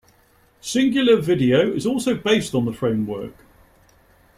Cingular Video is also based on the framework.